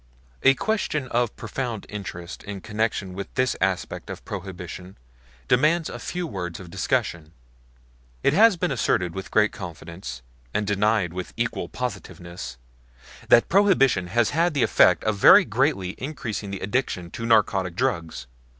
A question of profound interest in connection with this aspect of Prohibition demands a few words of discussion. It has been asserted with great confidence, and denied with equal positiveness, that Prohibition has had the effect of very greatly increasing the addiction to narcotic drugs.